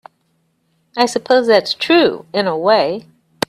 I suppose that's true in a way.